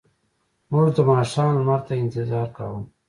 موږ د ماښام لمر ته انتظار کاوه.